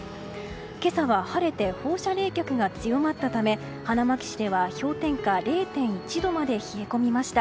今朝は晴れて放射冷却が強まったため花巻市では氷点下０．１度まで冷え込みました。